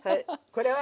これは？